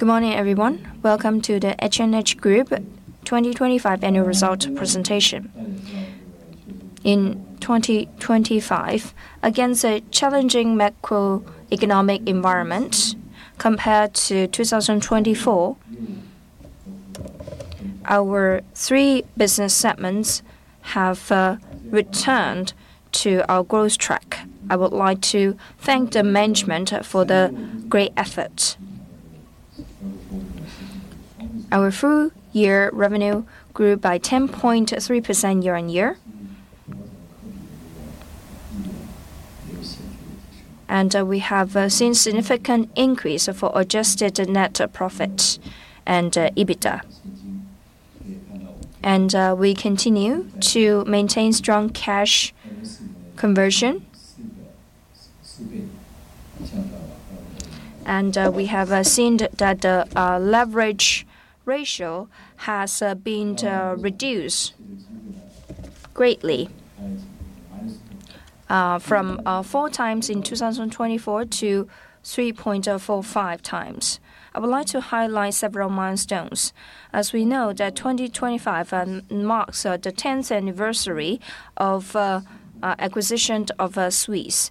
Good morning, everyone. Welcome to the H&H Group 2025 annual results presentation. In 2025, against a challenging macroeconomic environment, compared to 2024, our three business segments have returned to our growth track. I would like to thank the management for the great effort. Our full-year revenue grew by 10.3% year-on-year. We have seen significant increase of our adjusted net profit and EBITDA. We continue to maintain strong cash conversion. We have seen that the leverage ratio has been reduced greatly from 4x in 2024-3.045x. I would like to highlight several milestones. As we know that 2025 marks the 10th anniversary of acquisition of Swisse.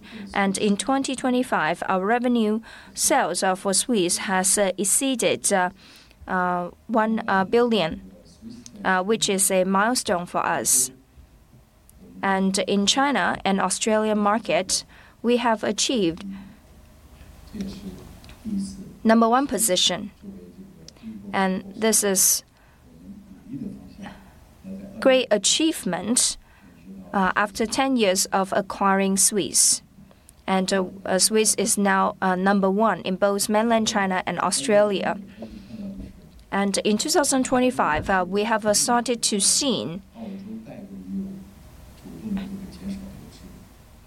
In 2025, our revenue sales for Swisse has exceeded 1 billion, which is a milestone for us. In China and Australia market, we have achieved number one position, and this is great achievement after 10 years of acquiring Swisse. Swisse is now number one in both Mainland China and Australia. In 2025, we have started to seen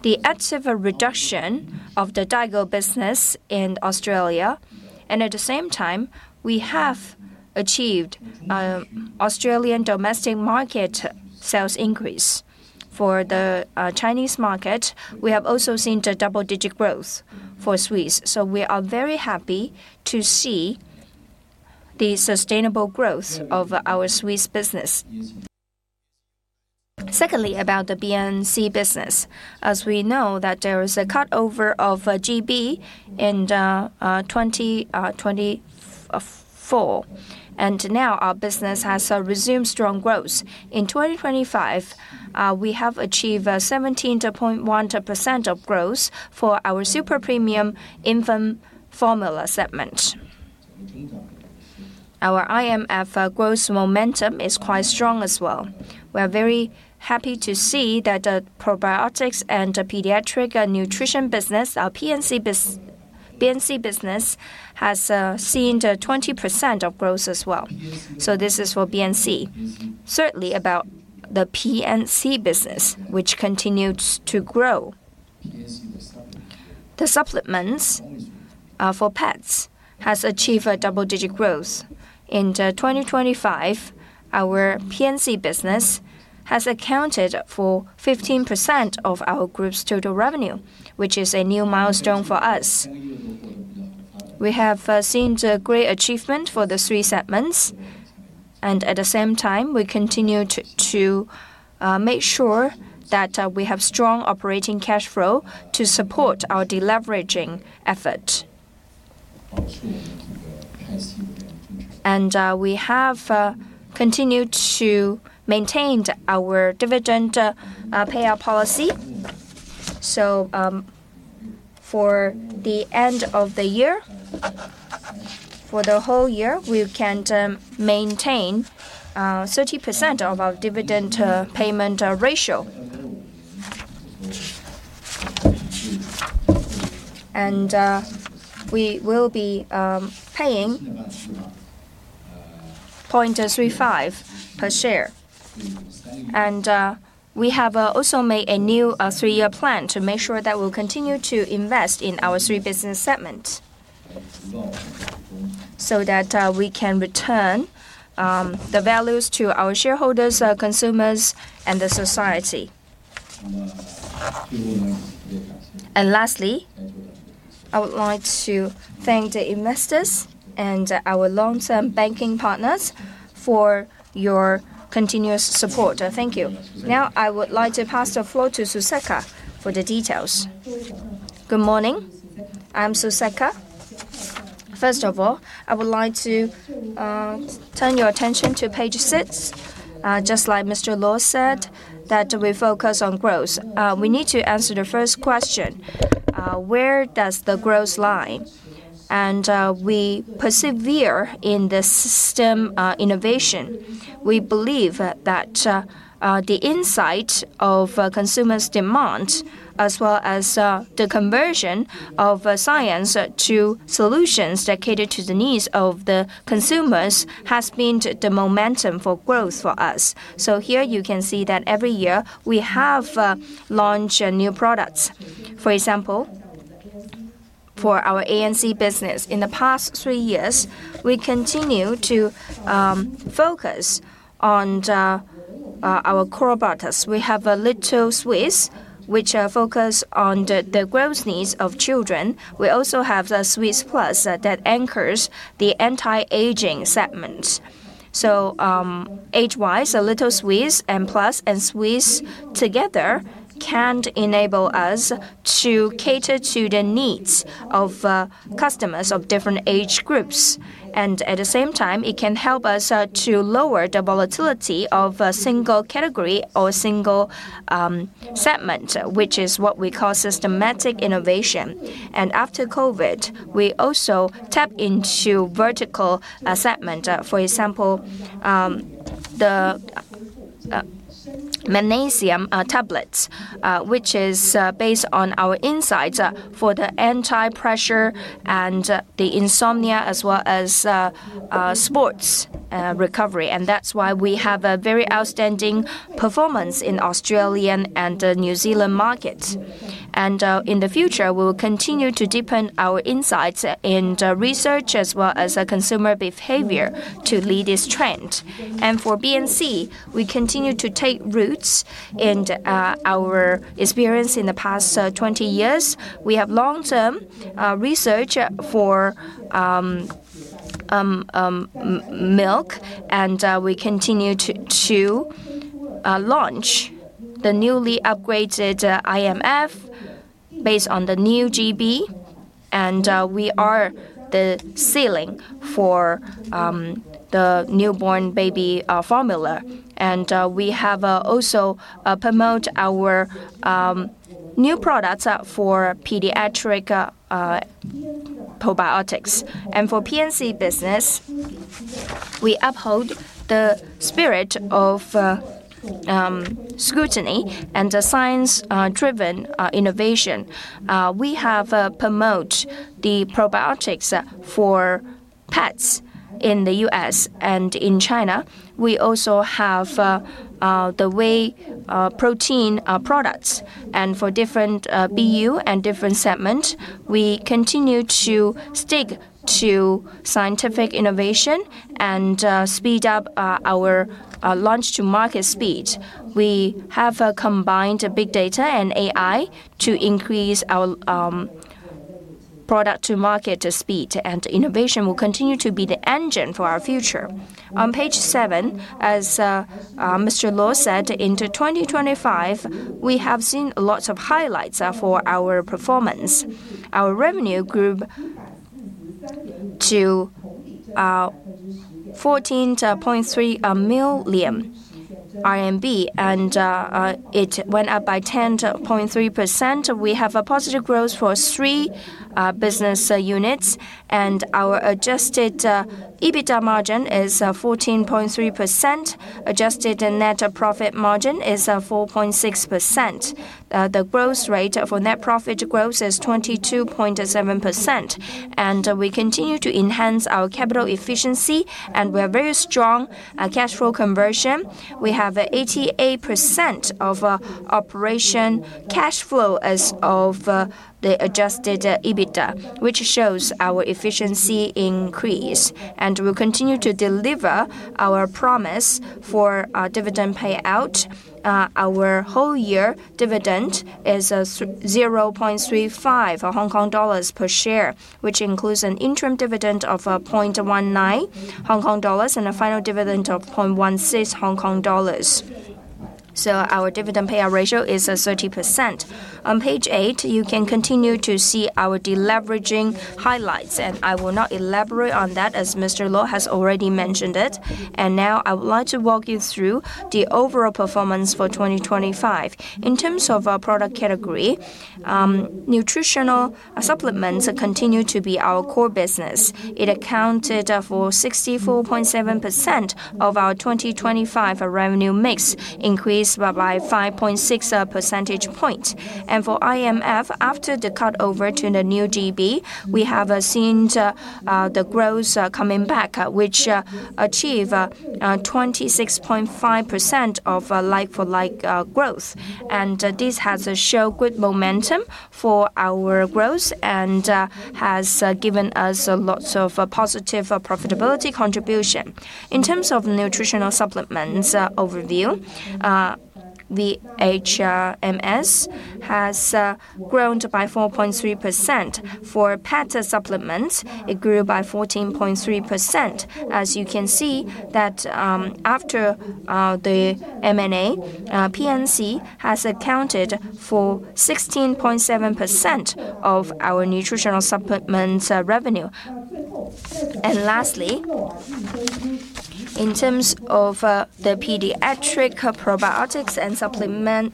the active reduction of the Daigou business in Australia. At the same time, we have achieved Australian domestic market sales increase. For the Chinese market, we have also seen the double-digit growth for Swisse. We are very happy to see the sustainable growth of our Swisse business. Secondly, about the BNC business. As we know that there is a cutover of GB in 2024, and now our business has resumed strong growth. In 2025, we have achieved 17.12% growth for our super premium infant formula segment. Our IMF growth momentum is quite strong as well. We are very happy to see that the probiotics and the pediatric and nutrition business, our BNC business has seen 20% growth as well. This is for BNC. Certainly about the PNC business, which continued to grow. The supplements for pets has achieved a double-digit growth. In 2025, our PNC business has accounted for 15% of our group's total revenue, which is a new milestone for us. We have seen the great achievement for the three segments, and at the same time, we continue to make sure that we have strong operating cash flow to support our deleveraging effort. We have continued to maintain our dividend payout policy. For the end of the year, for the whole year, we can maintain 30% of our dividend payment ratio. We will be paying 0.35 per share. We have also made a new three-year plan to make sure that we'll continue to invest in our three business segments, so that we can return the values to our shareholders, our consumers, and the society. Lastly, I would like to thank the investors and our long-term banking partners for your continuous support. Thank you. Now, I would like to pass the floor to Suceka for the details. Good morning. I'm Suceka. First of all, I would like to turn your attention to page six. Just like Mr. Luo said, that we focus on growth. We need to answer the first question, where does the growth lie? We persevere in the system innovation. We believe that the insight of consumers' demand, as well as the conversion of science to solutions that cater to the needs of the consumers, has been the momentum for growth for us. Here you can see that every year we have launched new products. For example, for our BNC business, in the past three years, we continue to focus on our core products. We have a Little Swisse which focus on the growth needs of children. We also have the Swisse Plus that anchors the anti-aging segments. Age-wise, Little Swisse and Plus and Swisse together can enable us to cater to the needs of customers of different age groups. At the same time, it can help us to lower the volatility of a single category or a single segment, which is what we call systematic innovation. After COVID, we also tap into vertical segments. For example, the magnesium tablets, which is based on our insights for the anti-stress and the insomnia as well as sports recovery. That's why we have a very outstanding performance in Australia and the New Zealand markets. In the future, we will continue to deepen our insights and research as well as our consumer behavior to lead this trend. For BNC, we continue to take roots in our experience in the past 20 years. We have long-term research for milk, and we continue to launch the newly upgraded IMF based on the new GB. We are the leading for the newborn baby formula. We have also promote our new products for pediatric probiotics. For PNC business, we uphold the spirit of scrutiny and the science driven innovation. We have promote the probiotics for pets in the U.S. and in China. We also have the whey protein products. For different BU and different segment, we continue to stick to scientific innovation and speed up our launch to market speed. We have combined big data and AI to increase our product to market speed. Innovation will continue to be the engine for our future. On page seven, as Mr. Luo said, into 2025, we have seen lots of highlights for our performance. Our revenue grew to 14.3 million RMB, and it went up by 10.3%. We have a positive growth for three business units, and our adjusted EBITDA margin is 14.3%. Adjusted net profit margin is 4.6%. The growth rate for net profit growth is 22.7%. We continue to enhance our capital efficiency, and we are very strong at cash flow conversion. We have 88% of operating cash flow as of the adjusted EBITDA, which shows our efficiency increase. We'll continue to deliver our promise for our dividend payout. Our whole year dividend is 0.35 Hong Kong dollars per share, which includes an interim dividend of 0.19 Hong Kong dollars and a final dividend of 0.16 Hong Kong dollars. Our dividend payout ratio is 30%. On page eight, you can continue to see our deleveraging highlights, and I will not elaborate on that as Mr. Luo has already mentioned it. Now I would like to walk you through the overall performance for 2025. In terms of our product category, nutritional supplements continue to be our core business. It accounted for 64.7% of our 2025 revenue mix, increased by 5.6 percentage point. For IMF, after the cut over to the new GB, we have seen the growth coming back, which achieved 26.5% of like-for-like growth. This has shown good momentum for our growth and has given us lots of positive profitability contribution. In terms of nutritional supplements overview, the VMS has grown by 4.3%. For pet supplements, it grew by 14.3%. As you can see that, after the M&A, PNC has accounted for 16.7% of our nutritional supplements revenue. Lastly, in terms of the pediatric probiotics and supplement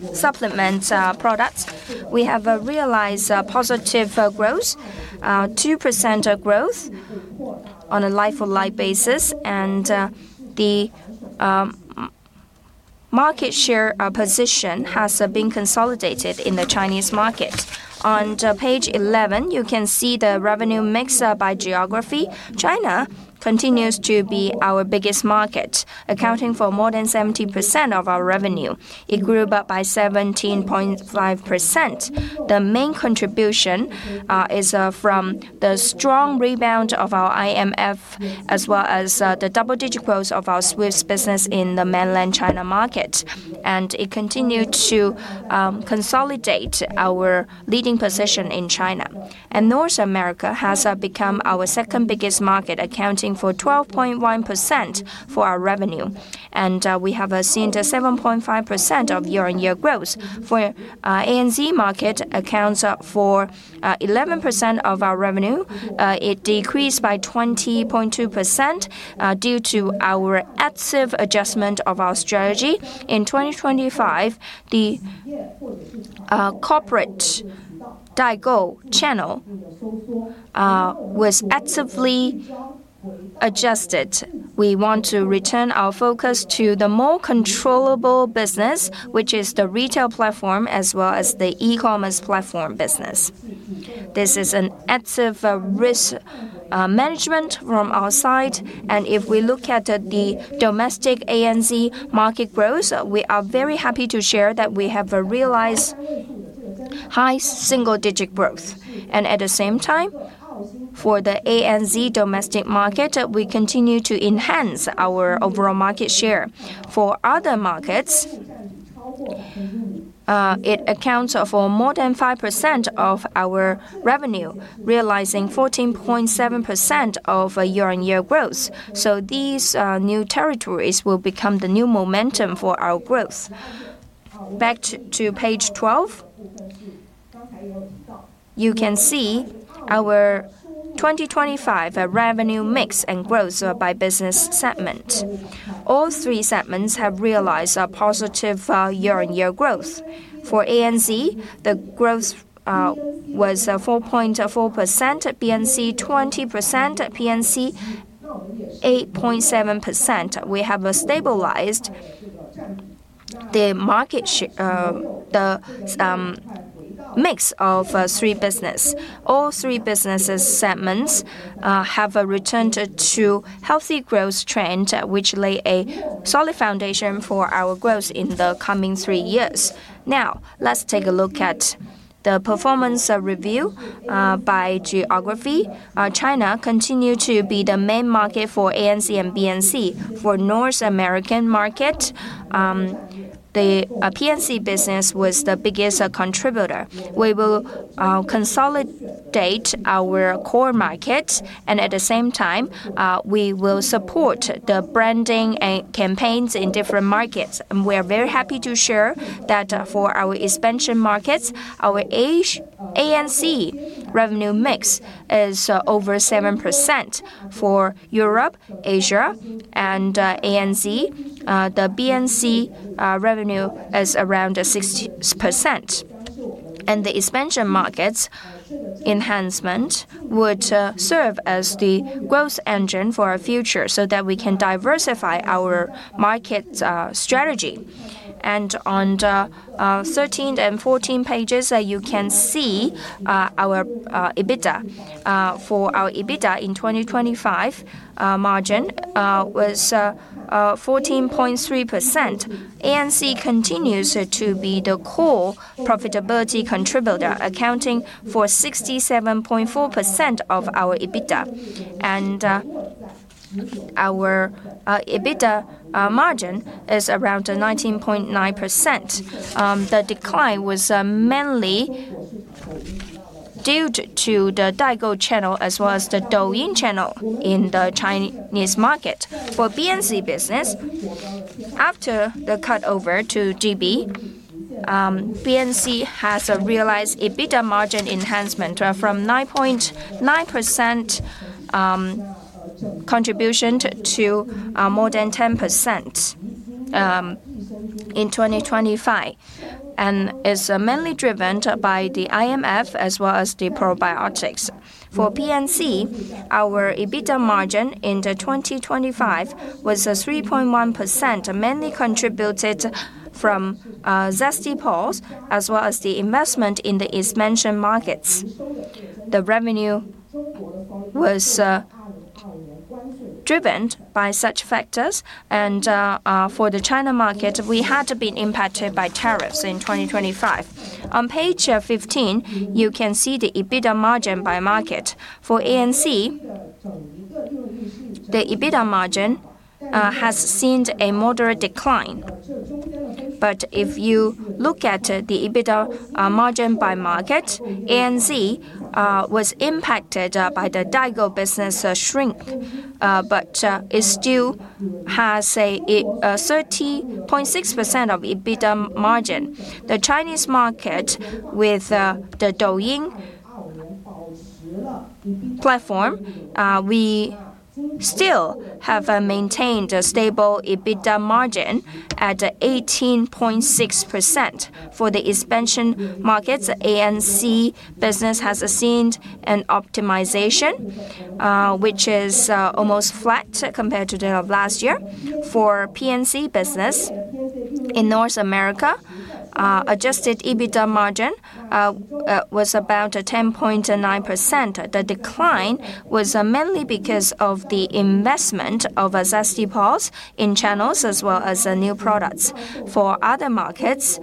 products, we have realized positive 2% growth on a like-for-like basis. The market share position has been consolidated in the Chinese market. On page 11, you can see the revenue mix by geography. China continues to be our biggest market, accounting for more than 70% of our revenue. It grew by 17.5%. The main contribution is from the strong rebound of our IMF as well as the double-digit growth of our Swisse business in the mainland China market. It continued to consolidate our leading position in China. North America has become our second biggest market, accounting for 12.1% of our revenue. We have seen 7.5% year-on-year growth. The ANZ market accounts for 11% of our revenue. It decreased by 20.2%, due to our active adjustment of our strategy. In 2025, the corporate Daigou channel was actively adjusted. We want to return our focus to the more controllable business, which is the retail platform as well as the e-commerce platform business. This is an active risk management from our side. If we look at the domestic ANZ market growth, we are very happy to share that we have realized high single-digit growth. At the same time, for the ANZ domestic market, we continue to enhance our overall market share. For other markets, it accounts for more than 5% of our revenue, realizing 14.7% year-on-year growth. These new territories will become the new momentum for our growth. Back to page 12. You can see our 2025 revenue mix and growth by business segment. All three segments have realized a positive year-on-year growth. For ANC, the growth was 4.4%. At BNC, 20%. At PNC, 8.7%. We have stabilized the mix of three business. All three business segments have returned to healthy growth trend, which lay a solid foundation for our growth in the coming three years. Now, let's take a look at the performance review by geography. China continued to be the main market for ANC and BNC. For North American market, the PNC business was the biggest contributor. We will consolidate our core market, and at the same time, we will support the branding and campaigns in different markets. We are very happy to share that, for our expansion markets, our ANC revenue mix is over 7%. For Europe, Asia and ANZ, the BNC revenue is around 60%. The expansion markets enhancement would serve as the growth engine for our future so that we can diversify our market strategy. On the 13 and 14 pages, you can see our EBITDA. For our EBITDA in 2025, margin was 14.3%. ANC continues to be the core profitability contributor, accounting for 67.4% of our EBITDA. Our EBITDA margin is around 19.9%. The decline was mainly due to the Daigou channel as well as the Douyin channel in the Chinese market. For BNC business, after the cut over to GB, BNC has realized EBITDA margin enhancement from 9.9% contribution to more than 10% in 2025 and is mainly driven by the IMF as well as the probiotics. For PNC, our EBITDA margin in 2025 was 3.1%, mainly contributed from Zesty Paws as well as the investment in the expansion markets. The revenue was driven by such factors. For the China market, we had been impacted by tariffs in 2025. On page 15, you can see the EBITDA margin by market. For ANC, the EBITDA margin has seen a moderate decline. If you look at the EBITDA margin by market, ANZ was impacted by the Daigou business shrinking. It still has a 30.6% EBITDA margin. The Chinese market with the Douyin platform, we still have maintained a stable EBITDA margin at 18.6%. For the expansion markets, ANC business has seen an optimization, which is almost flat compared to that of last year. For PNC business in North America, adjusted EBITDA margin was about 10.9%. The decline was mainly because of the investment of Zesty Paws in channels as well as the new products. For other markets,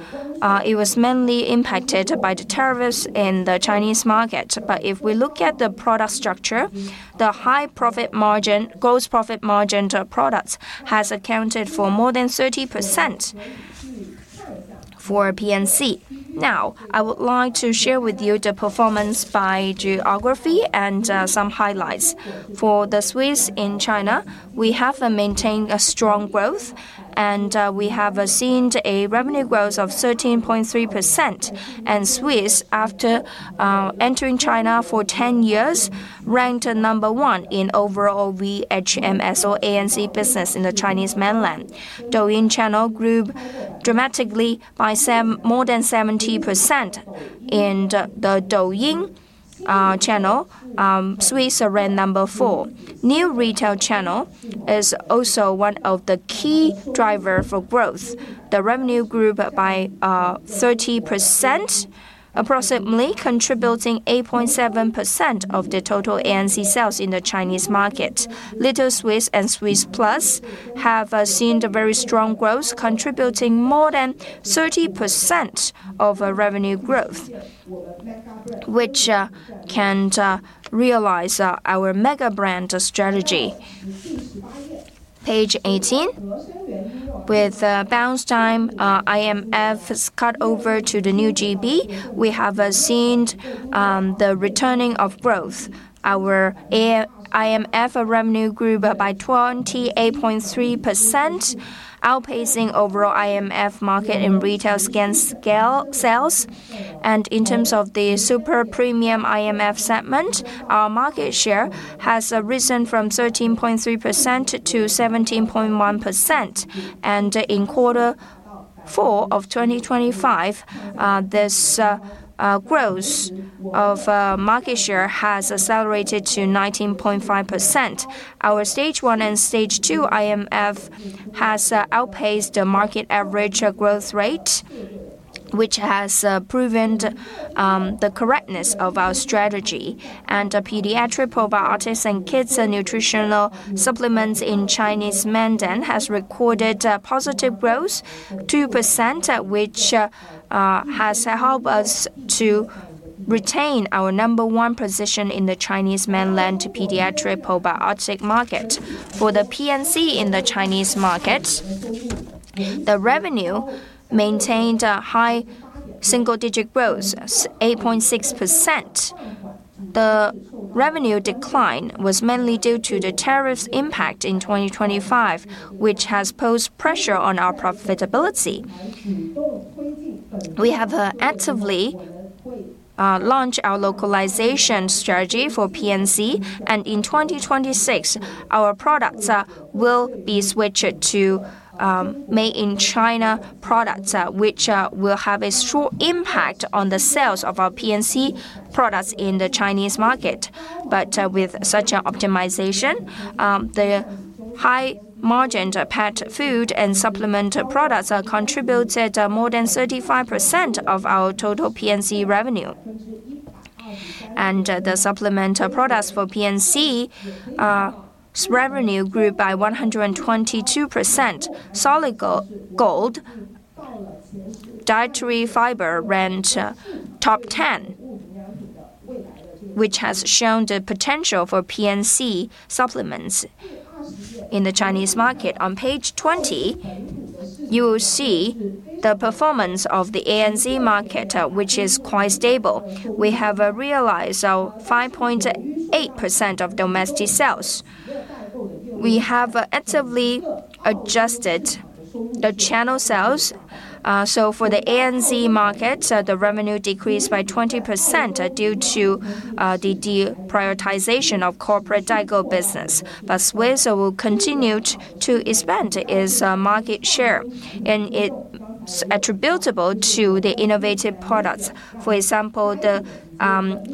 it was mainly impacted by the tariffs in the Chinese market. If we look at the product structure, the high profit margin—gross profit margin of our products has accounted for more than 30% for PNC. Now, I would like to share with you the performance by geography and some highlights. For Swisse in China, we have maintained a strong growth, and we have seen a revenue growth of 13.3%. Swisse, after entering China for 10 years, ranked number one in overall VHMS or ANC business in the Chinese mainland. Douyin channel grew dramatically by more than 70%. In the Douyin channel, Swisse ranked number four. New retail channel is also one of the key driver for growth. The revenue grew by 30%, approximately contributing 8.7% of the total ANC sales in the Chinese market. Little Swisse and Swisse Plus have seen the very strong growth, contributing more than 30% of revenue growth, which can realize our mega brand strategy. Page 18. With Biostime, our IMF has cut over to the new GB, we have seen the returning of growth. Our IMF revenue grew by 28.3%, outpacing overall IMF market in retail scan sales. In terms of the super premium IMF segment, our market share has risen from 13.3%-17.1%. In quarter four of 2025, this growth of market share has accelerated to 19.5%. Our stage one and stage two IMF has outpaced the market average growth rate, which has proven the correctness of our strategy. The pediatric probiotics and kids nutritional supplements in Chinese mainland has recorded positive growth, 2%, which has helped us to retain our number one position in the Chinese mainland pediatric probiotic market. For the PNC in the Chinese market, the revenue maintained a high single-digit growth, 8.6%. The revenue decline was mainly due to the tariffs impact in 2025, which has posed pressure on our profitability. We have actively launched our localization strategy for PNC. In 2026, our products will be switched to made-in-China products, which will have a strong impact on the sales of our PNC products in the Chinese market. With such an optimization, the high-margin pet food and supplement products contributed more than 35% of our total PNC revenue. The supplement products for PNC's revenue grew by 122%. Solid Gold dietary fiber ranked top 10, which has shown the potential for PNC supplements in the Chinese market. On page 20, you will see the performance of the ANZ market, which is quite stable. We have realized 5.8% of domestic sales. We have actively adjusted the channel sales. For the ANZ market, the revenue decreased by 20% due to the deprioritization of corporate Daigou business. Swisse will continue to expand its market share, and it's attributable to the innovative products. For example, the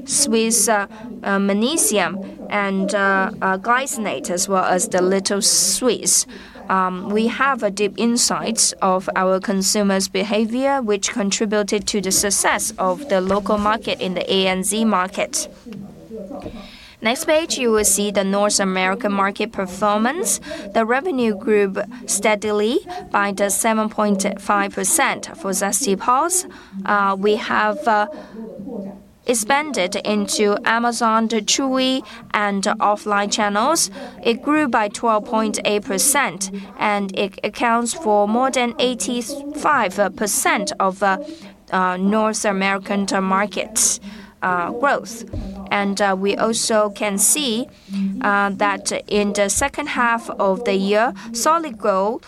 Swisse magnesium glycinate, as well as the Little Swisse. We have deep insights of our consumers' behavior, which contributed to the success of the local market in the ANZ market. Next page, you will see the North American market performance. The revenue grew steadily by 7.5% for Zesty Paws. We have expanded into Amazon, Chewy, and offline channels. It grew by 12.8%, and it accounts for more than 85% of North American market's growth. We also can see that in the second half of the year, Solid Gold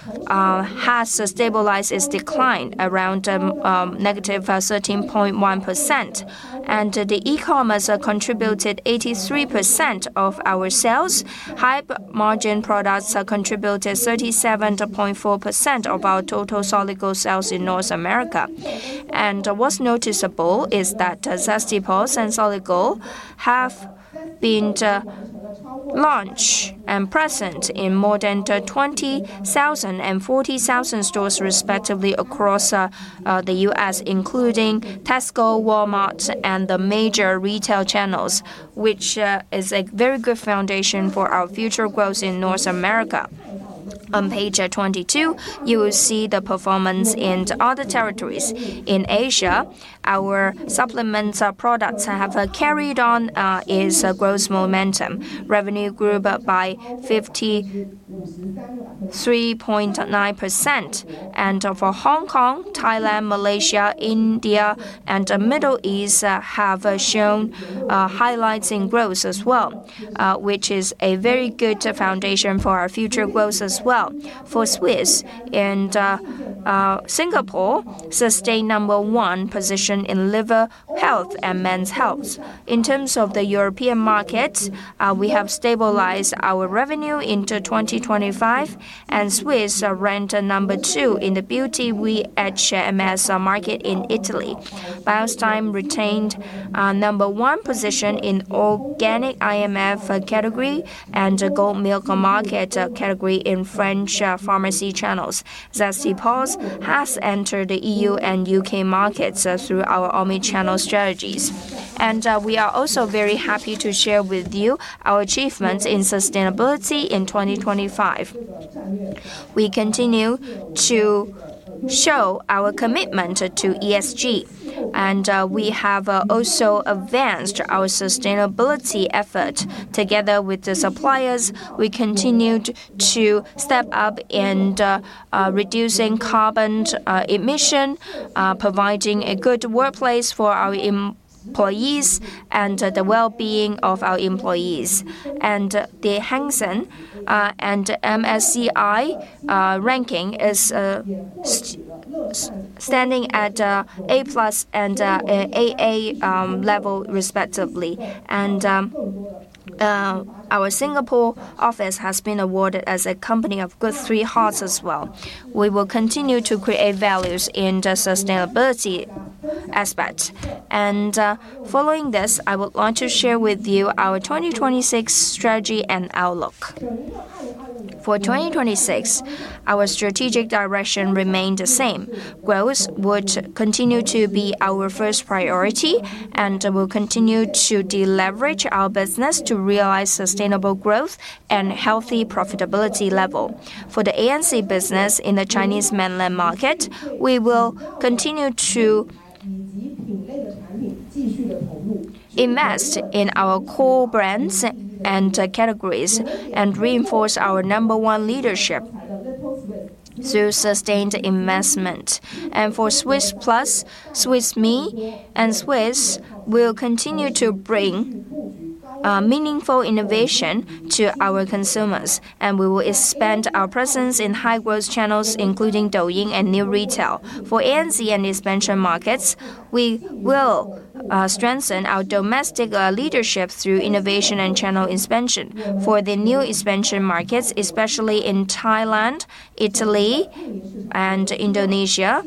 has stabilized its decline around -13.1%. E-commerce contributed 83% of our sales. High-margin products contributed 37.4% of our total Solid Gold sales in North America. What's noticeable is that Zesty Paws and Solid Gold have been launched and present in more than 20,000 and 40,000 stores respectively across the U.S., including Costco, Walmart, and the major retail channels, which is a very good foundation for our future growth in North America. On page 22, you will see the performance in the other territories. In Asia, our supplements, our products have carried on its growth momentum. Revenue grew by 53.9%. For Hong Kong, Thailand, Malaysia, India and Middle East have shown highlights in growth as well, which is a very good foundation for our future growth as well. For Swisse and Singapore sustained number one position in liver health and men's health. In terms of the European markets, we have stabilized our revenue into 2025 and Swisse ranked number two in the beauty vitamin market in Italy. Biostime retained number one position in organic IMF category and goat milk market category in French pharmacy channels. Zesty Paws has entered the EU and U.K. markets through our omni-channel strategies. We are also very happy to share with you our achievements in sustainability in 2025. We continue to show our commitment to ESG, and we have also advanced our sustainability effort. Together with the suppliers, we continued to step up in the reducing carbon emission, providing a good workplace for our employees and the well-being of our employees. The Hang Seng and MSCI ranking is standing at A+ and AA level respectively. Our Singapore office has been awarded as a Company of Good 3 Hearts as well. We will continue to create values in the sustainability aspect. Following this, I would want to share with you our 2026 strategy and outlook. For 2026, our strategic direction remained the same. Growth would continue to be our first priority and will continue to deleverage our business to realize sustainable growth and healthy profitability level. For the ANC business in the Chinese mainland market, we will continue to invest in our core brands and categories and reinforce our number one leadership through sustained investment. For Swisse Plus, Swisse Me and Swisse will continue to bring meaningful innovation to our consumers, and we will expand our presence in high-growth channels, including Douyin and new retail. For ANC and expansion markets, we will strengthen our domestic leadership through innovation and channel expansion. For the new expansion markets, especially in Thailand, Italy, and Indonesia,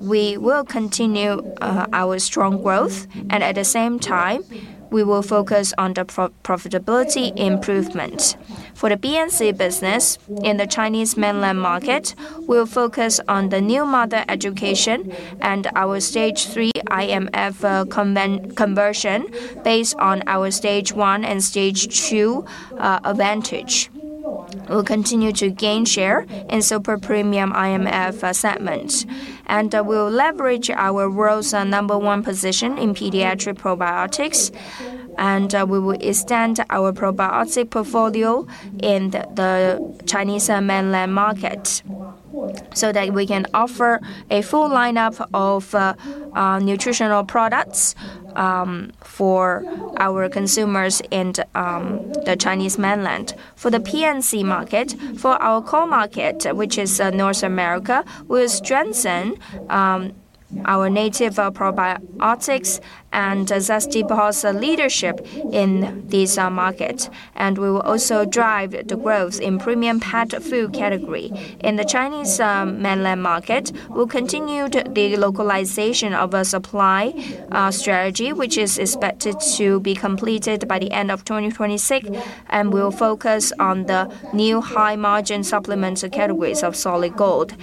we will continue our strong growth and at the same time, we will focus on the profitability improvement. For the BNC business in the Chinese mainland market, we'll focus on the new mother education and our stage three IMF conversion based on our stage one and stage two advantage. We'll continue to gain share in super premium IMF segments, and we'll leverage our world's number one position in pediatric probiotics. We will extend our probiotic portfolio in the Chinese mainland market so that we can offer a full lineup of nutritional products for our consumers in the Chinese mainland. For the PNC market, for our core market, which is North America, we'll strengthen our native probiotics and Zesty Paws leadership in these markets. We will also drive the growth in premium pet food category. In the Chinese mainland market, we'll continue the localization of a supply strategy, which is expected to be completed by the end of 2026, and we'll focus on the new high-margin supplements categories of Solid Gold.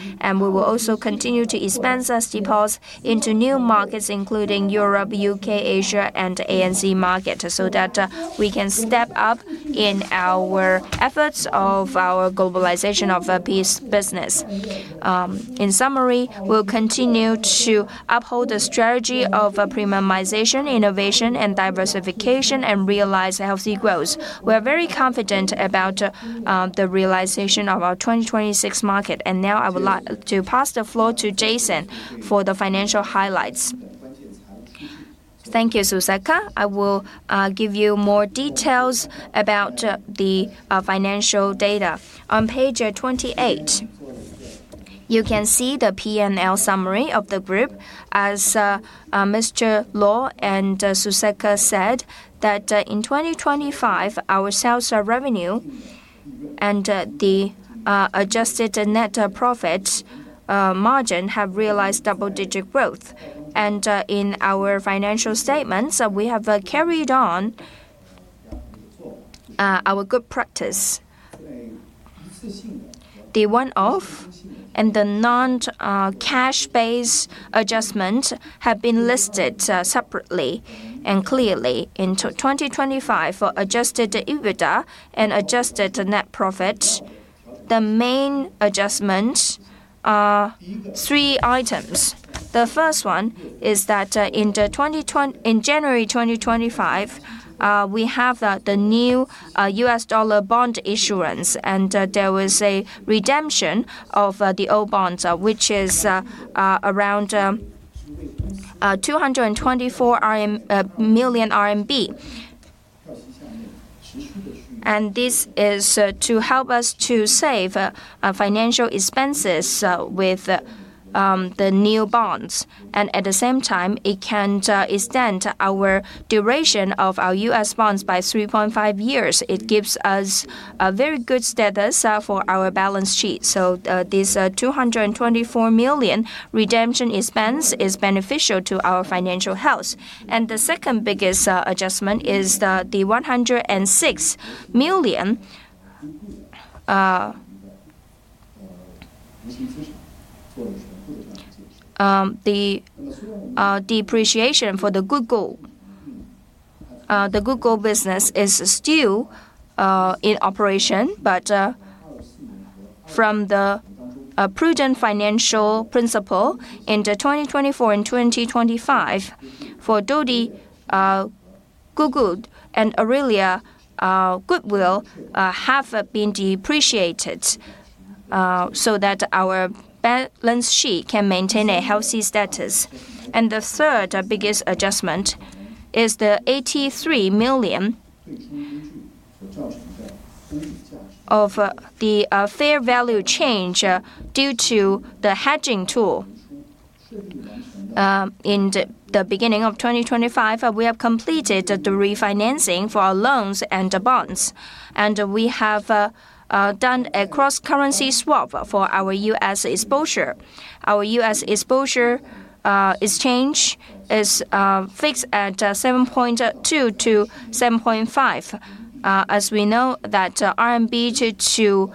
We will also continue to expand Zesty Paws into new markets, including Europe, U.K., Asia, and ANZ market, so that we can step up in our efforts of our globalization of the business. In summary, we'll continue to uphold the strategy of premiumization, innovation and diversification and realize healthy growth. We are very confident about the realization of our 2026 market. Now I would like to pass the floor to Jason for the financial highlights. Thank you, Suceka. I will give you more details about the financial data. On page 28, you can see the P&L summary of the group. As Mr. Luo and Suceka said, in 2025, our sales revenue and the adjusted net profit margin have realized double-digit growth. In our financial statements, we have carried on our good practice. The one-off and the non-cash based adjustment have been listed separately and clearly into 2025 for adjusted EBITDA and adjusted net profit. The main adjustments are three items. The first one is that in January 2025, we have the new U.S. dollar bond issuance, and there was a redemption of the old bonds, which is around 224 million RMB. This is to help us to save financial expenses with the new bonds. At the same time, it can extend our duration of our U.S. bonds by 3.5 years. It gives us a very good status for our balance sheet. This 224 million redemption expense is beneficial to our financial health. The second biggest adjustment is the 106 million depreciation for the Solid Gold. The Solid Gold business is still in operation, but from the prudent financial principle in 2024 and 2025 for Dodie, Solid Gold, and Aurelia goodwill have been depreciated so that our balance sheet can maintain a healthy status. The third biggest adjustment is the 83 million of the fair value change due to the hedging tool. In the beginning of 2025, we have completed the refinancing for our loans and bonds. We have done a cross-currency swap for our U.S. exposure. Our U.S. exposure exchange is fixed at 7.2-7.5. As we know that RMB to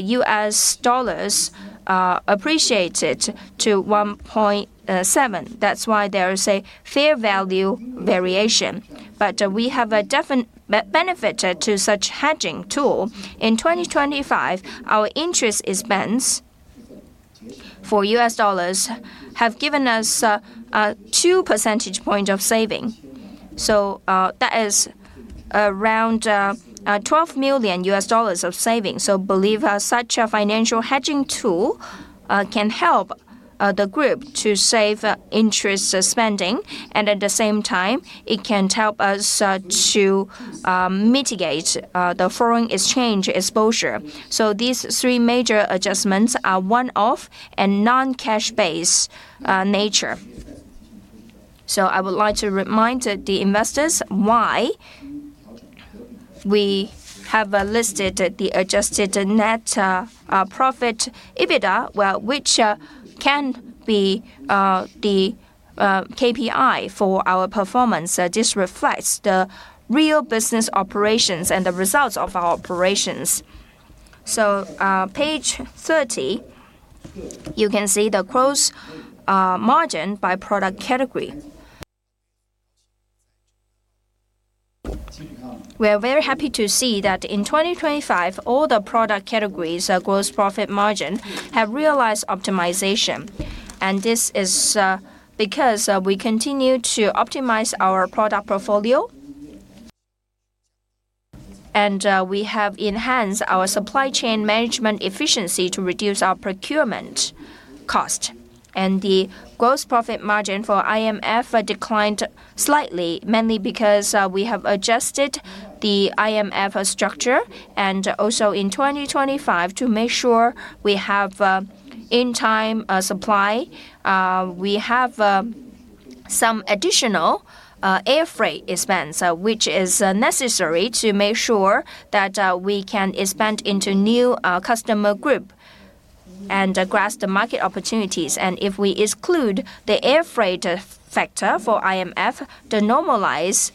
U.S. dollars appreciated to 1.7. That's why there is a fair value variation. We have definitely benefited from such hedging tool. In 2025, our interest expense for U.S. dollars have given us two percentage points of saving. That is around $12 million of saving. We believe such a financial hedging tool can help the group to save interest spending, and at the same time it can help us to mitigate the foreign exchange exposure. These three major adjustments are one-off and non-cash-based nature. I would like to remind the investors why we have listed the adjusted net profit EBITDA, which can be the KPI for our performance. This reflects the real business operations and the results of our operations. Page 30, you can see the gross margin by product category. We are very happy to see that in 2025, all the product categories gross profit margin have realized optimization. This is because we continue to optimize our product portfolio. We have enhanced our supply chain management efficiency to reduce our procurement cost. The gross profit margin for IMF declined slightly, mainly because we have adjusted the IMF structure. In 2025, to make sure we have in time supply, we have some additional air freight expense, which is necessary to make sure that we can expand into new customer group and grasp the market opportunities. If we exclude the air freight factor for IMF, the normalized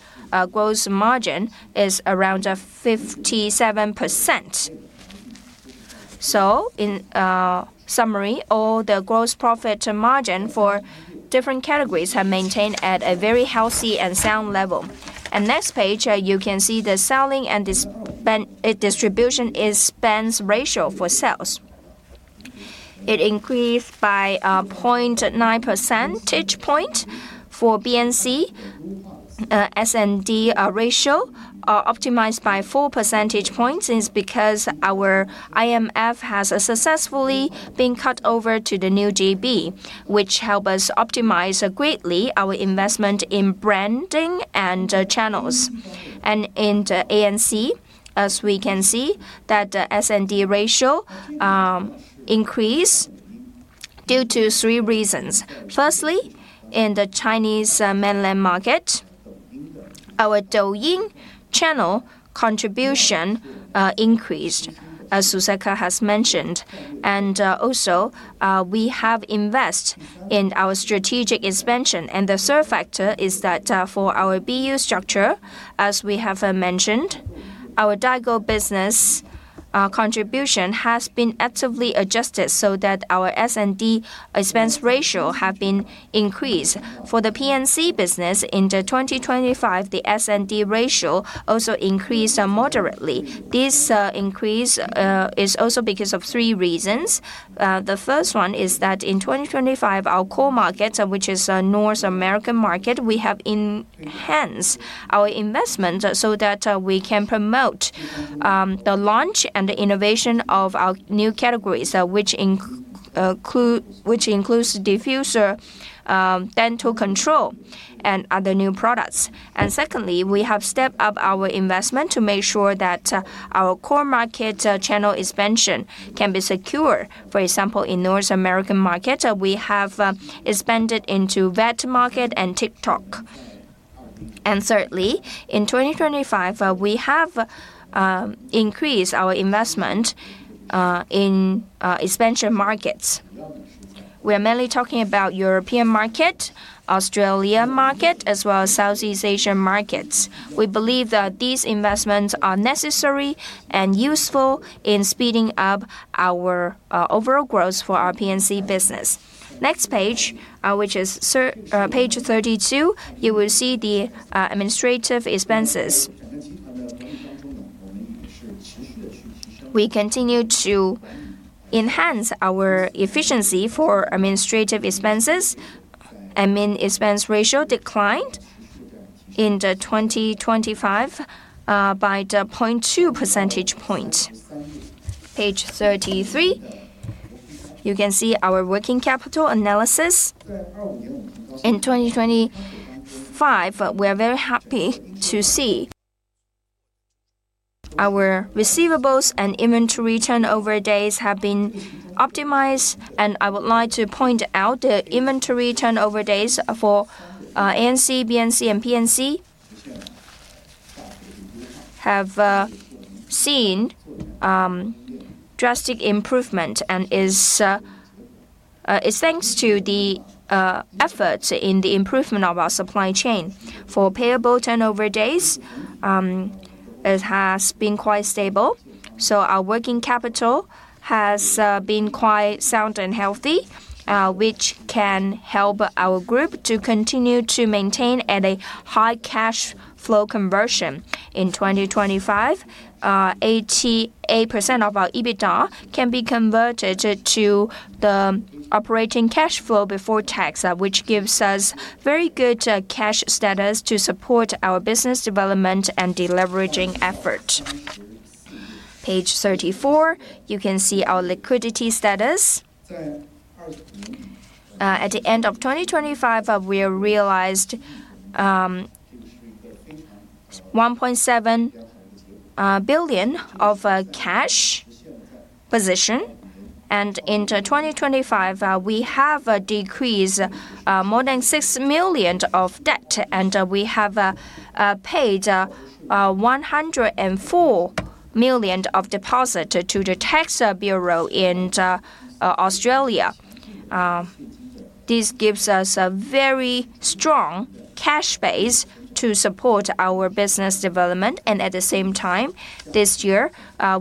gross margin is around 57%. In summary, all the gross profit margin for different categories have maintained at a very healthy and sound level. Next page, you can see the selling and distribution expense ratio for sales. It increased by 0.9 percentage point for BNC. S&D ratio are optimized by four percentage points is because our IMF has successfully been cut over to the new GB, which help us optimize greatly our investment in branding and channels. In the ANC, as we can see, that the S&D ratio increased due to three reasons. Firstly, in the Chinese mainland market, our Douyin channel contribution increased, as Suceka Li has mentioned. Also, we have invest in our strategic expansion. The third factor is that, for our BU structure, as we have mentioned, our Daigou business contribution has been actively adjusted so that our S&D expense ratio have been increased. For the PNC business in the 2025, the S&D ratio also increased moderately. This increase is also because of three reasons. The first one is that in 2025, our core market, which is North American market, we have enhanced our investment so that we can promote the launch and the innovation of our new categories, which includes diffuser, dental care and other new products. Secondly, we have stepped up our investment to make sure that our core market channel expansion can be secure. For example, in North American market, we have expanded into vet market and TikTok. Thirdly, in 2025, we have increased our investment in expansion markets. We're mainly talking about European market, Australian market, as well as Southeast Asian markets. We believe that these investments are necessary and useful in speeding up our overall growth for our PNC business. Next page, which is page 32, you will see the administrative expenses. We continue to enhance our efficiency for administrative expenses. Admin expense ratio declined in 2025 by 0.2 percentage point. Page 33, you can see our working capital analysis. In 2025, we are very happy to see our receivables and inventory turnover days have been optimized, and I would like to point out the inventory turnover days for ANC, BNC and PNC have seen drastic improvement and is thanks to the efforts in the improvement of our supply chain. For payable turnover days, it has been quite stable, so our working capital has been quite sound and healthy, which can help our group to continue to maintain at a high cash flow conversion. In 2025, 88% of our EBITDA can be converted to the operating cash flow before tax, which gives us very good cash status to support our business development and deleveraging effort. Page 34, you can see our liquidity status. At the end of 2025, we have realized 1.7 billion cash position and into 2025, we have decreased more than 6 million of debt, and we have paid 104 million of deposit to the Tax Bureau in Australia. This gives us a very strong cash base to support our business development and at the same time, this year,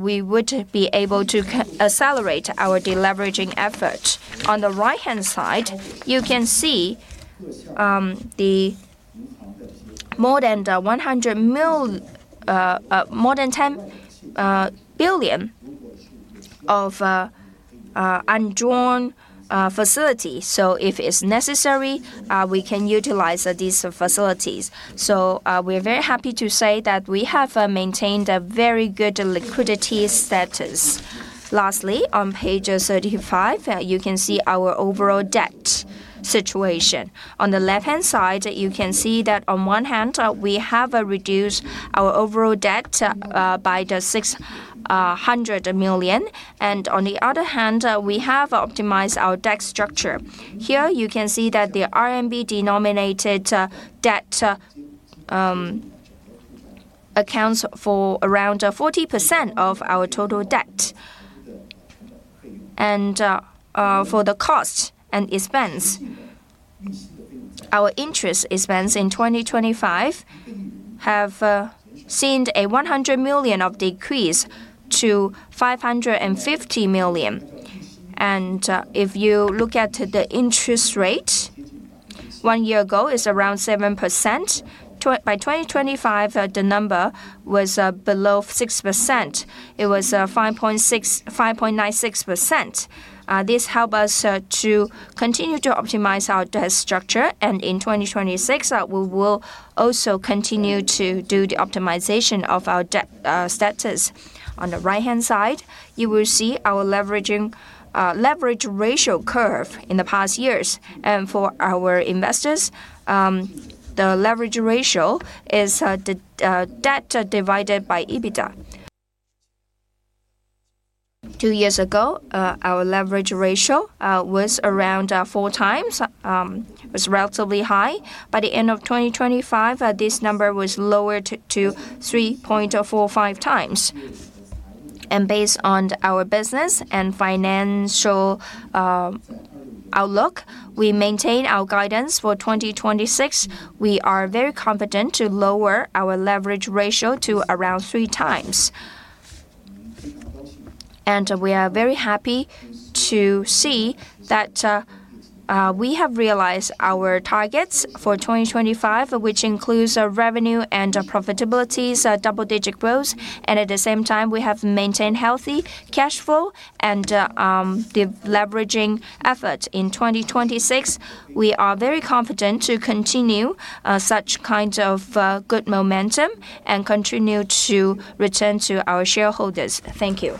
we would be able to accelerate our deleveraging effort. On the right-hand side, you can see more than 10 billion of undrawn facility. If it's necessary, we can utilize these facilities. We're very happy to say that we have maintained a very good liquidity status. Lastly, on page 35, you can see our overall debt situation. On the left-hand side, you can see that on one hand, we have reduced our overall debt by 600 million. On the other hand, we have optimized our debt structure. Here you can see that the RMB-denominated debt accounts for around 40% of our total debt. For the costs and expense, our interest expense in 2025 have seen a 100 million decrease to 550 million. If you look at the interest rate, one year ago is around 7%. By 2025, the number was below 6%. It was 5.96%. This help us to continue to optimize our debt structure. In 2026, we will also continue to do the optimization of our debt status. On the right-hand side, you will see our leverage ratio curve in the past years. For our investors, the leverage ratio is the debt divided by EBITDA. Two years ago, our leverage ratio was around 4x, was relatively high. By the end of 2025, this number was lowered to 3.045x. Based on our business and financial outlook, we maintain our guidance for 2026. We are very confident to lower our leverage ratio to around 3x. We are very happy to see that we have realized our targets for 2025, which includes our revenue and our profitabilities double-digit growth. At the same time, we have maintained healthy cash flow and the leveraging effort. In 2026, we are very confident to continue such kind of good momentum and continue to return to our shareholders. Thank you.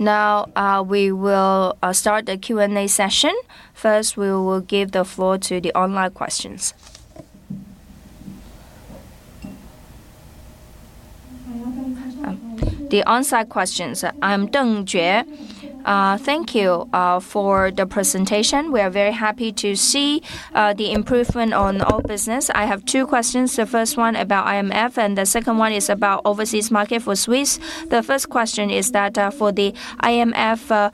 Now we will start the Q&A session. First, we will give the floor to the online questions. The on-site questions. I'm Deng Jue. Thank you for the presentation. We are very happy to see the improvement on all business. I have two questions. The first one about IMF, and the second one is about overseas market for Swisse. The first question is that for the IMF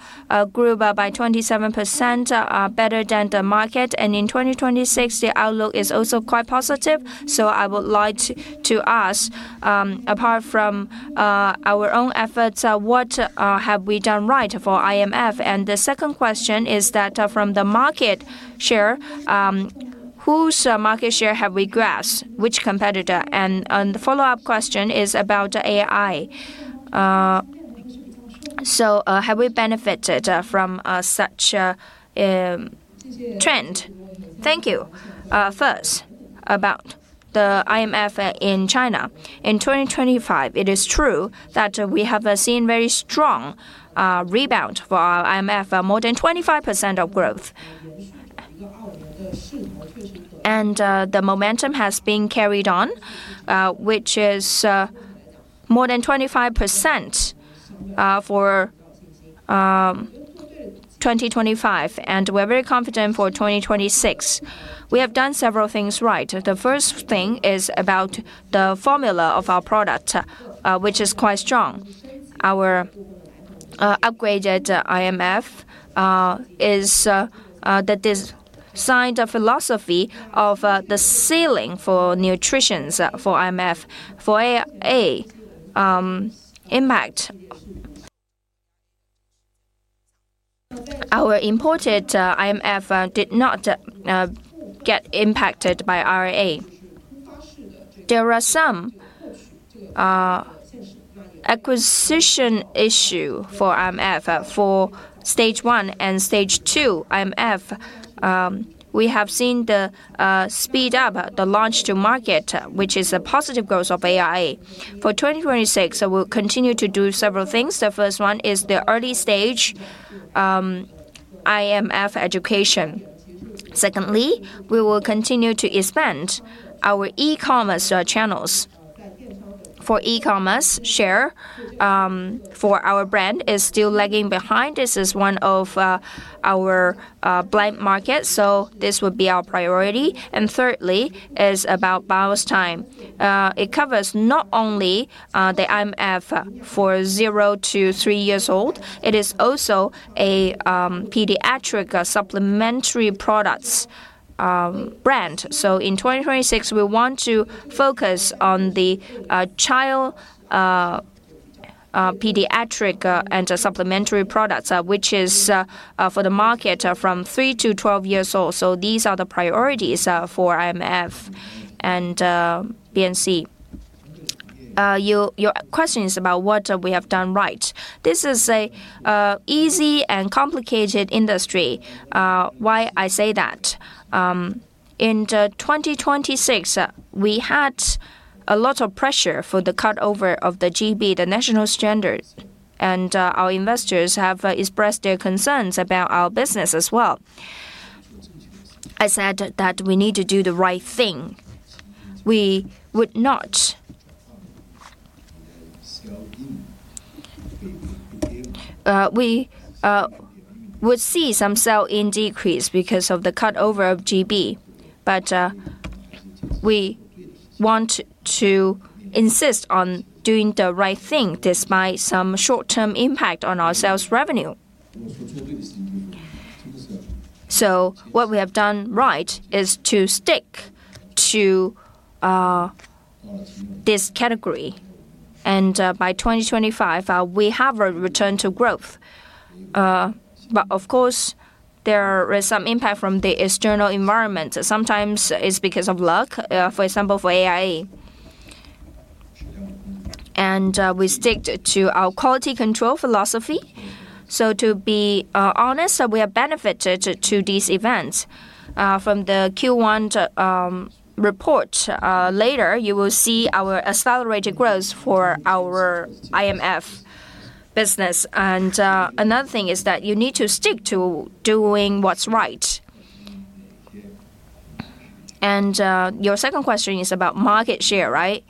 grew by 27%, better than the market, and in 2026, the outlook is also quite positive. So I would like to ask, apart from our own efforts, what have we done right for IMF? And the second question is that from the market share, whose market share have we grasped? Which competitor? And the follow-up question is about AI. So have we benefited from such trend? Thank you. First, about the IMF in China. In 2025, it is true that we have seen very strong rebound for our IMF, more than 25% of growth. The momentum has been carried on, which is more than 25% for 2025, and we're very confident for 2026. We have done several things right. The first thing is about the formula of our product, which is quite strong. Our upgraded IMF is signed a philosophy of the ceiling for nutrition for IMF. For AI impact. Our imported IMF did not get impacted by RIA. There are some acquisition issue for IMF. For stage one and stage two IMF, we have seen the speed up the launch to market, which is a positive growth of AIA. For 2026, I will continue to do several things. The first one is the early stage IMF education. Secondly, we will continue to expand our e-commerce channels. The e-commerce share for our brand is still lagging behind. This is one of our key market, so this would be our priority. Thirdly is about Biostime. It covers not only the IMF for zero to three years old, it is also a pediatric supplementary products brand. So in 2026, we want to focus on the child pediatric and supplementary products which is for the market from three to 12 years old. These are the priorities for IMF and BNC. Your question is about what we have done right. This is an easy and complicated industry. Why do I say that? In 2026, we had a lot of pressure for the cut over of the GB, the national standard. Our investors have expressed their concerns about our business as well. I said that we need to do the right thing. We would see some sell-in decrease because of the cut over of GB. We want to insist on doing the right thing despite some short-term impact on our sales revenue. What we have done right is to stick to this category. By 2025, we have a return to growth. Of course, there is some impact from the external environment. Sometimes it's because of luck, for example, for AIA. We stick to our quality control philosophy. To be honest, we have benefited from these events. From the Q1 report later, you will see our accelerated growth for our IMF business. Another thing is that you need to stick to doing what's right. Your second question is about market share, right?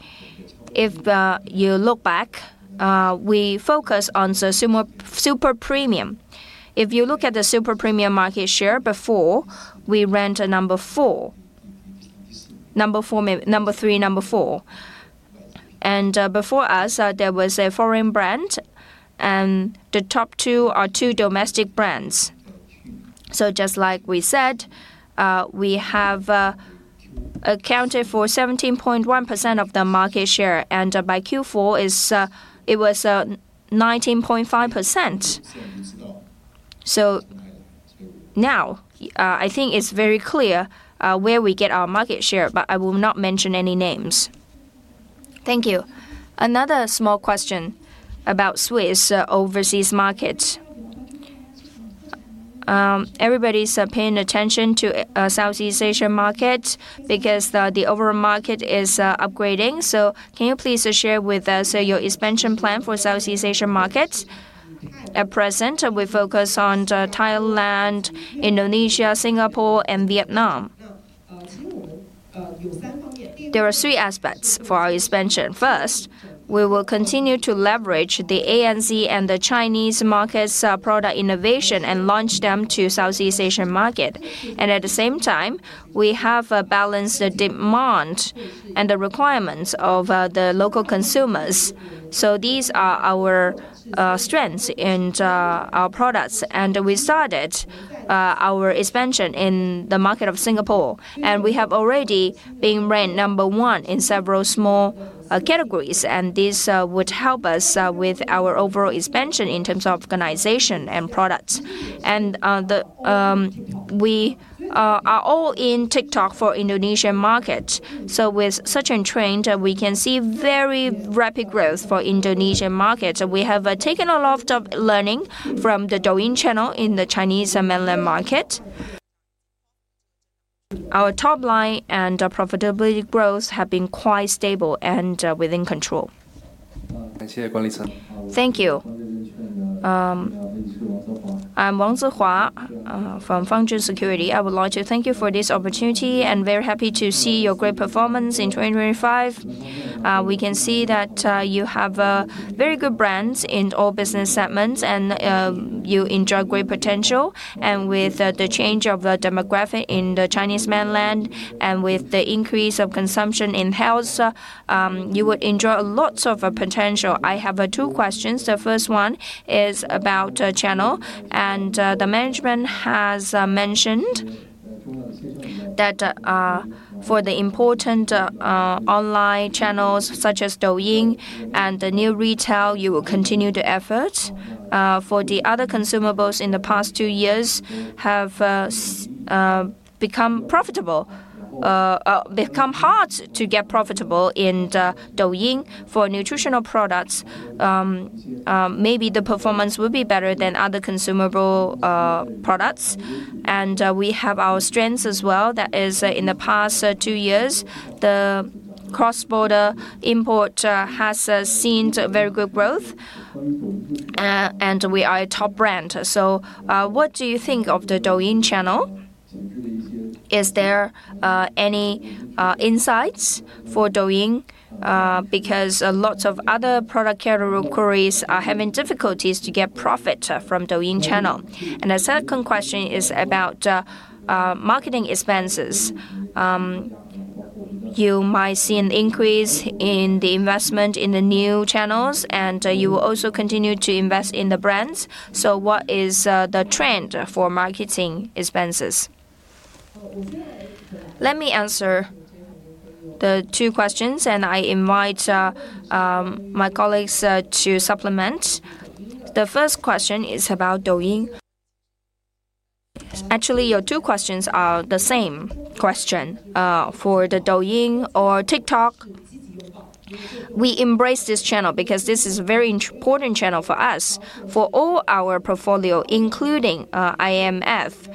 If you look back, we focus on super premium. If you look at the super premium market share before, we ranked at number four. Number three, number four. Before us, there was a foreign brand, and the top two are two domestic brands. Just like we said, we have accounted for 17.1% of the market share, and by Q4 it was 19.5%. Now, I think it's very clear where we get our market share, but I will not mention any names. Thank you. Another small question about Swisse overseas market. Everybody's paying attention to Southeast Asian market because the overall market is upgrading. Can you please share with us your expansion plan for Southeast Asian market? At present, we focus on Thailand, Indonesia, Singapore, and Vietnam. There are three aspects for our expansion. First, we will continue to leverage the ANZ and the Chinese markets product innovation and launch them to Southeast Asian market. And at the same time, we have balanced the demand and the requirements of the local consumers. These are our strengths and our products. We started our expansion in the market of Singapore, and we have already been ranked number one in several small categories. This would help us with our overall expansion in terms of organization and products. We are all in TikTok for Indonesian market. With such a trend, we can see very rapid growth for Indonesian market. We have taken a lot of learning from the Douyin channel in the Chinese mainland market. Our top line and our profitability growth have been quite stable and within control. Thank you. I'm Wang Zihua from Fengyun Securities. I would like to thank you for this opportunity and very happy to see your great performance in 2025. We can see that you have very good brands in all business segments and you enjoy great potential. With the change of the demographic in the Chinese mainland and with the increase of consumption in house, you will enjoy lots of potential. I have two questions. The first one is about channel. The management has mentioned that for the important online channels such as Douyin and the new retail, you will continue the effort. For the other consumables in the past two years have become hard to get profitable in the Douyin. For nutritional products, maybe the performance will be better than other consumable products. We have our strengths as well. That is, in the past two years, the cross-border import has seen very good growth, and we are a top brand. What do you think of the Douyin channel? Is there any insights for Douyin because lots of other product category are having difficulties to get profit from Douyin channel. The second question is about marketing expenses. You might see an increase in the investment in the new channels, and you will also continue to invest in the brands. What is the trend for marketing expenses? Let me answer the two questions, and I invite my colleagues to supplement. The first question is about Douyin. Actually, your two questions are the same question. For the Douyin or TikTok, we embrace this channel because this is very important channel for us for all our portfolio, including IMF.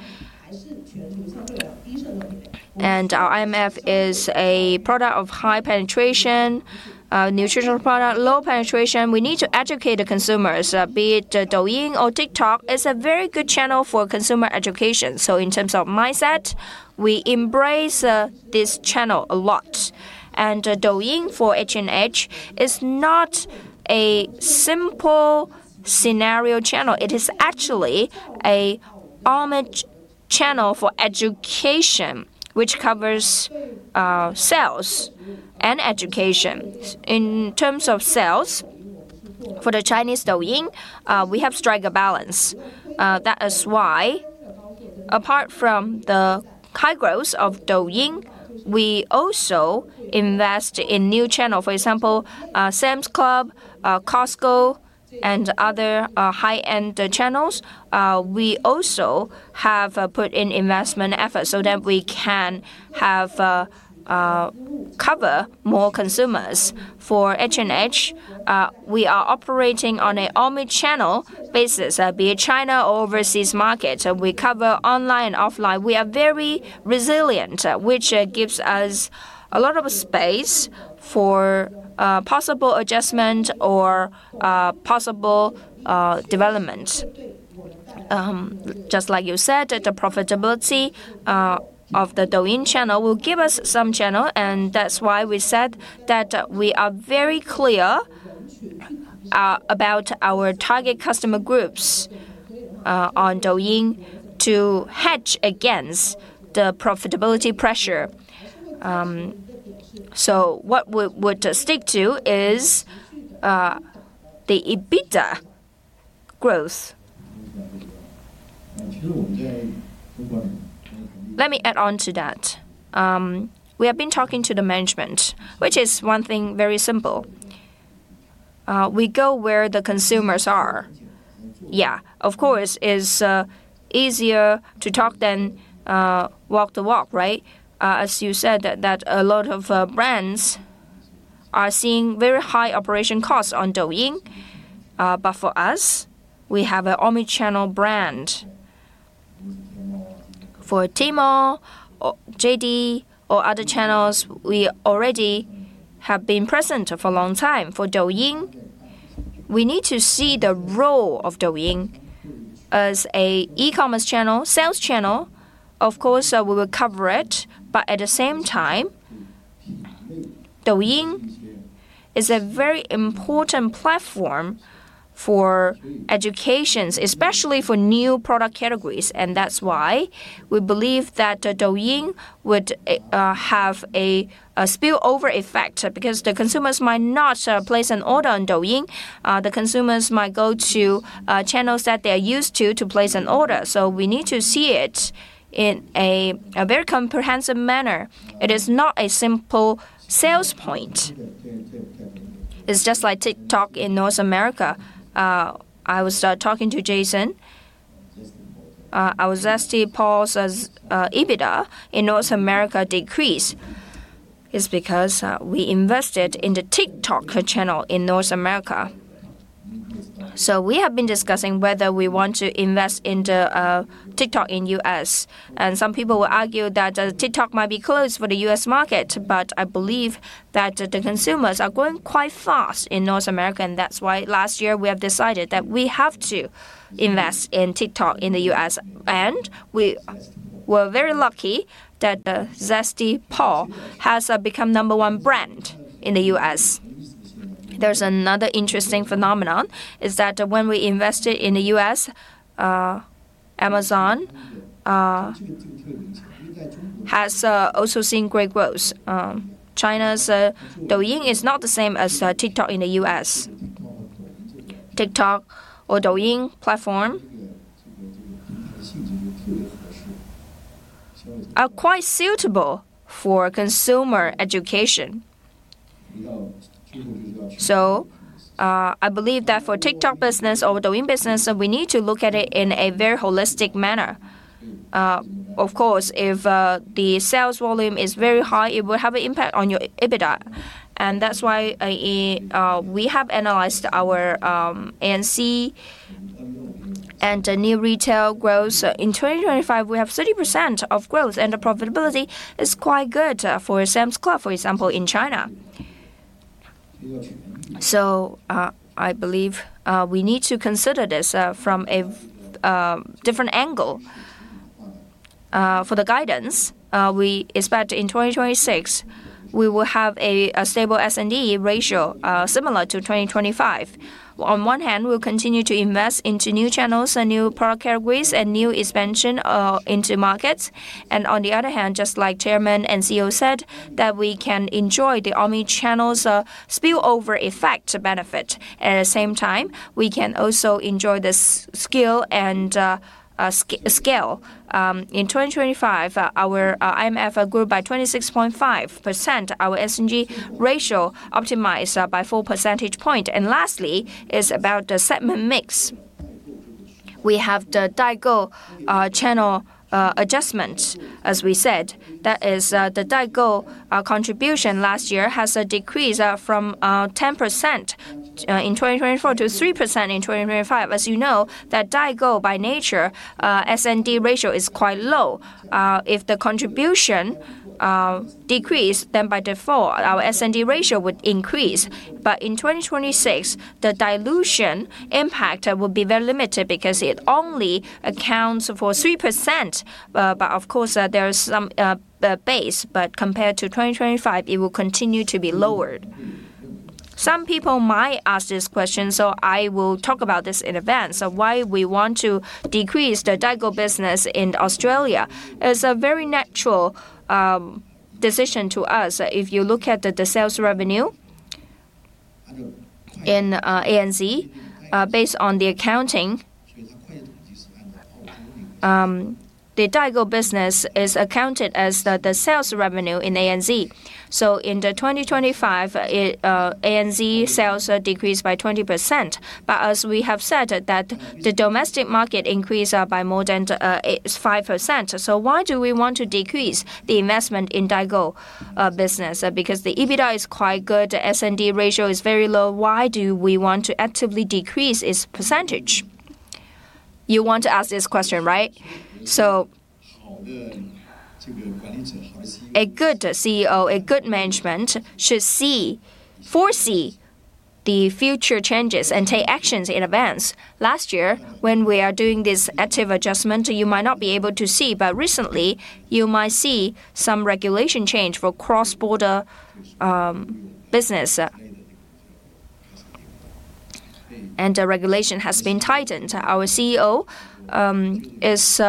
Our IMF is a product of high penetration, nutritional product, low penetration. We need to educate the consumers, be it Douyin or TikTok. It's a very good channel for consumer education. In terms of mindset, we embrace this channel a lot. Douyin for H&H is not a simple sales channel. It is actually an omni-channel for education, which covers sales and education. In terms of sales for the Chinese Douyin, we have struck a balance. That is why apart from the high growth of Douyin, we also invest in new channel. For example, Sam's Club, Costco, and other high-end channels. We also have put in investment effort so that we can cover more consumers. For H&H, we are operating on a omni-channel basis, be it China or overseas market. We cover online, offline. We are very resilient, which gives us a lot of space for possible adjustment or development. Just like you said, the profitability of the Douyin channel will give us some cushion, and that's why we said that we are very clear about our target customer groups on Douyin to hedge against the profitability pressure. What we'd stick to is the EBITDA growth. Let me add on to that. We have been talking to the management, which is one thing very simple. We go where the consumers are. Yeah, of course, it's easier to talk than walk the walk, right? As you said that a lot of brands are seeing very high operating costs on Douyin. But for us, we have an omnichannel brand. For Tmall or JD or other channels, we already have been present for a long time. For Douyin, we need to see the role of Douyin as an e-commerce channel, sales channel. Of course, we will cover it, but at the same time, Douyin is a very important platform for education, especially for new product categories. That's why we believe that Douyin would have a spillover effect because the consumers might not place an order on Douyin. The consumers might go to channels that they are used to to place an order. We need to see it in a very comprehensive manner. It is not a simple sales point. It's just like TikTok in North America. I was talking to Jason. Our Zesty Paws' EBITDA in North America decreased. It's because we invested in the TikTok channel in North America. We have been discussing whether we want to invest into TikTok in U.S. Some people will argue that TikTok might be closed for the U.S. market, but I believe that the consumers are growing quite fast in North America. That's why last year we have decided that we have to invest in TikTok in the U.S. We were very lucky that Zesty Paws has become number one brand in the U.S. There's another interesting phenomenon is that when we invested in the U.S., Amazon has also seen great growth. China's Douyin is not the same as TikTok in the U.S. TikTok or Douyin platform are quite suitable for consumer education. I believe that for TikTok business or Douyin business, we need to look at it in a very holistic manner. Of course, if the sales volume is very high, it will have an impact on your EBITDA. That's why we have analyzed our ANC and the new retail growth. In 2025, we have 30% of growth, and the profitability is quite good for Sam's Club, for example, in China. I believe we need to consider this from a different angle. For the guidance, we expect in 2026 we will have a stable SG&A ratio, similar to 2025. On one hand, we'll continue to invest into new channels and new product categories and new expansion into markets. On the other hand, just like Chairman and CEO said, that we can enjoy the omni-channel's spillover effect benefit. At the same time, we can also enjoy the skill and scale. In 2025, our IMF grew by 26.5%. Our SG&A ratio optimized by four percentage point. Lastly is about the segment mix. We have the Daigou channel adjustments, as we said. That is, the Daigou contribution last year has a decrease from 10% in 2024-3% in 2025. As you know that Daigou by nature, S&D ratio is quite low. If the contribution decrease, then by default, our S&D ratio would increase. In 2026, the dilution impact will be very limited because it only accounts for 3%. Of course, there is some base, but compared to 2025, it will continue to be lowered. Some people might ask this question, I will talk about this in advance of why we want to decrease the Daigou business in Australia. It's a very natural decision to us. If you look at the sales revenue in ANZ, based on the accounting, the Daigou business is accounted as the sales revenue in ANZ. In 2025, ANZ sales are decreased by 20%. As we have said that the domestic market increased by more than 5%. Why do we want to decrease the investment in Daigou business? Because the EBITDA is quite good, S&D ratio is very low. Why do we want to actively decrease its percentage? You want to ask this question, right? A good CEO, a good management should see, foresee the future changes and take actions in advance. Last year, when we are doing this active adjustment, you might not be able to see, but recently you might see some regulation change for cross-border business. The regulation has been tightened. Our CEO is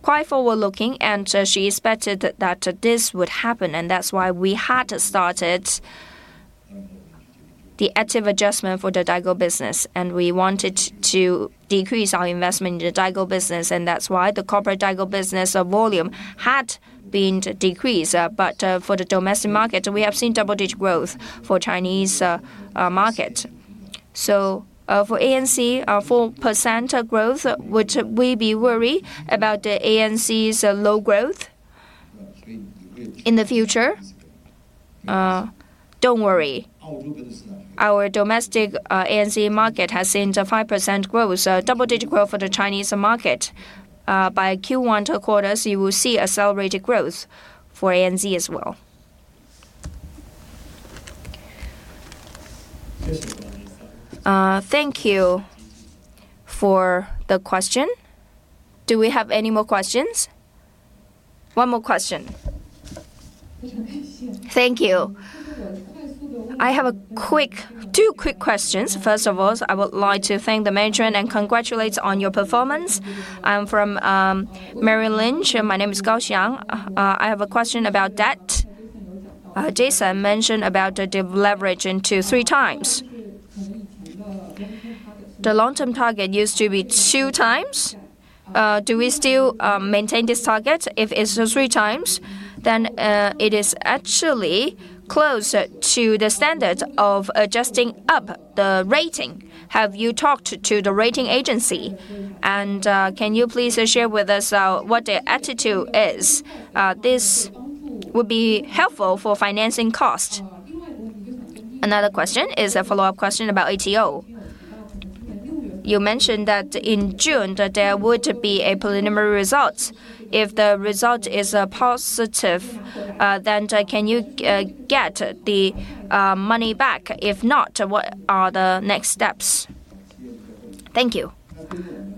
quite forward-looking, and she expected that this would happen and that's why we had started the active adjustment for the Daigou business, and we wanted to decrease our investment in the Daigou business, and that's why the corporate Daigou business volume had been decreased. For the domestic market, we have seen double-digit growth for Chinese market. For ANC, our 4% growth, would we be worried about the ANC's low growth in the future? Don't worry. Our domestic ANZ market has seen a 5% growth, so double-digit growth for the Chinese market. By Q1 two quarters, you will see accelerated growth for ANZ as well. Thank you for the question. Do we have any more questions? One more question. Thank you. I have two quick questions. First of all, I would like to thank the management and congratulate on your performance. I'm from Merrill Lynch, and my name is Gao Xiang. I have a question about debt. Jason mentioned about the de-leveraging to 3x. The long-term target used to be 2x. Do we still maintain this target? If it's now 3x, then it is actually closer to the standard of adjusting up the rating. Have you talked to the rating agency? Can you please share with us what their attitude is? This would be helpful for financing cost. Another question is a follow-up question about ATO. You mentioned that in June that there would be a preliminary result. If the result is positive, then can you get the money back? If not, what are the next steps? Thank you.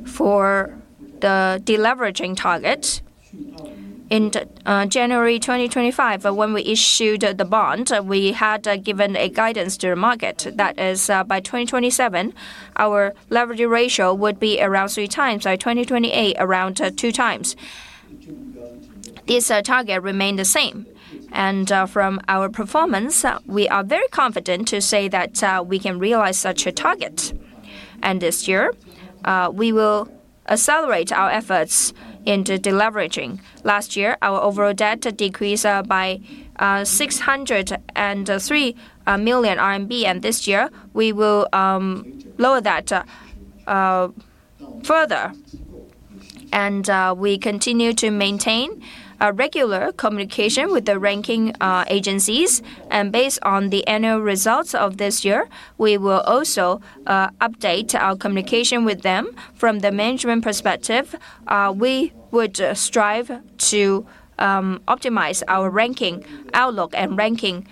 For the deleveraging target, in January 2025, when we issued the bond, we had given a guidance to the market that is, by 2027, our leverage ratio would be around 3x, 2028 around 2x. This target remain the same. From our performance, we are very confident to say that we can realize such a target. This year, we will accelerate our efforts into deleveraging. Last year, our overall debt decreased by 603 million RMB, and this year, we will lower that further. We continue to maintain a regular communication with the rating agencies. Based on the annual results of this year, we will also update our communication with them. From the management perspective, we would strive to optimize our ranking outlook and ranking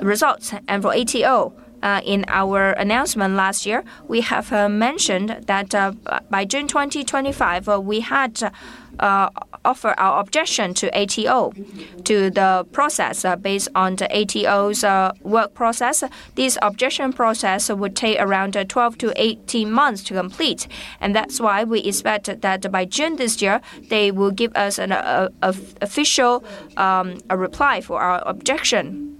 results. For ATO, in our announcement last year, we have mentioned that by June 2025, we had to offer our objection to ATO to the process based on the ATO's work process. This objection process would take around 12-18 months to complete, and that's why we expected that by June this year, they will give us an official reply for our objection.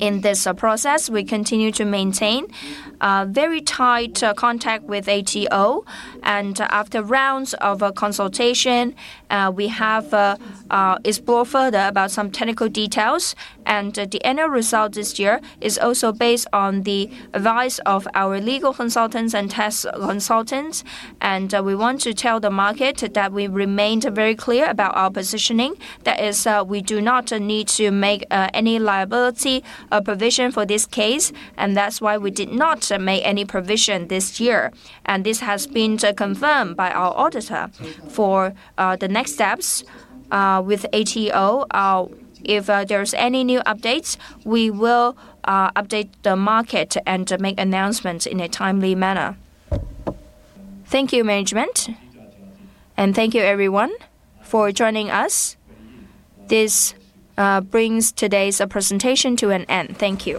In this process, we continue to maintain very tight contact with ATO. After rounds of consultation, we have explored further about some technical details. The annual result this year is also based on the advice of our legal consultants and tax consultants. We want to tell the market that we remained very clear about our positioning. That is, we do not need to make any liability provision for this case, and that's why we did not make any provision this year. This has been confirmed by our auditor. For the next steps with ATO, if there's any new updates, we will update the market and make announcements in a timely manner. Thank you, management. Thank you everyone for joining us. This brings today's presentation to an end. Thank you.